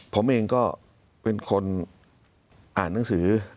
ผมเองก็เป็นคนอ่านหนังสือ